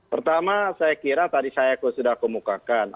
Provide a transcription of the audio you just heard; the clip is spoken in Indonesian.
pertama saya kira tadi saya sudah kemukakan